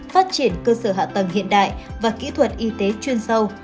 phát triển cơ sở hạ tầng hiện đại và kỹ thuật y tế chuyên sâu